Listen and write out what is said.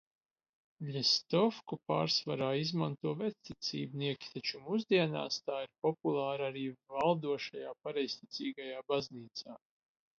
Ļestovku pārsvarā izmanto vecticībnieki, taču mūsdienās tā ir populāra arī valdošajā pareizticīgajā baznīcā.